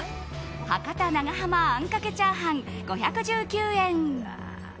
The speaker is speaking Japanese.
博多長浜あんかけチャーハン５１９円。